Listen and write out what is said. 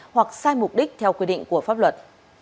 hoặc sai mục đích theo quy định của pháp luật